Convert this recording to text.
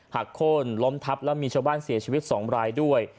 โค้นล้มทับแล้วมีชาวบ้านเสียชีวิต๒รายด้วย